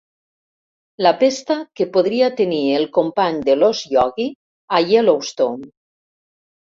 La pesta que podria tenir el company de l'ós Iogui a Yellowstone.